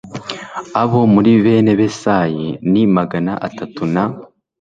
Abo muri bene Besayi ni magana atatu na